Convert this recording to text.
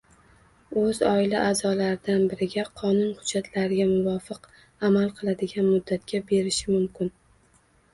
Oʼz oila aʼzolaridan biriga qonun hujjatlariga muvofiq amal qiladigan muddatga berishi mumkin